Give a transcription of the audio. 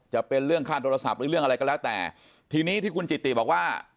จะเป็นเรื่องค่าโทรศัพท์หรือเรื่องอะไรก็แล้วแต่ทีนี้ที่คุณจิติบอกว่า